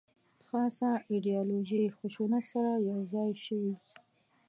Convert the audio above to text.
خاصه ایدیالوژي خشونت سره یو ځای شوې.